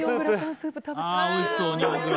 おいしそう。